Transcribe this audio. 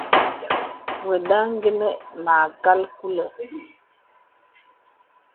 Və̀da gwe inə mâkal kulə̀.